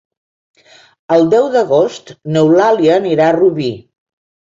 El deu d'agost n'Eulàlia anirà a Rubí.